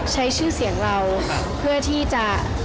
ใช้ชื่อเสียงเราเพื่อที่จะ